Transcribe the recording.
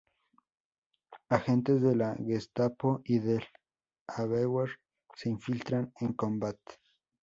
Agentes de la Gestapo y del Abwehr se infiltran en Combat.